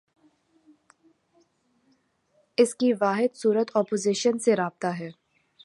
اس کی واحد صورت اپوزیشن سے رابطہ ہے۔